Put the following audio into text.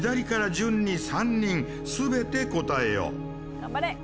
頑張れ！